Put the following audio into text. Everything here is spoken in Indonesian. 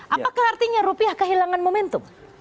apakah artinya rupiah kehilangan momentum